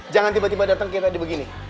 jangan tiba tiba datang ke tadi begini